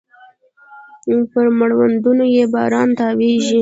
پر مړوندونو يې باران تاویږې